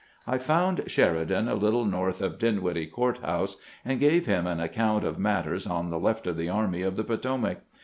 I found Sheridan a little north of Dinwiddle Court house, and gave him an account of matters on the left of the Army of the Potomac.